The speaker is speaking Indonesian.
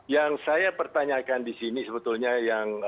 yang saya pertanyakan disini sebetulnya yang dianggap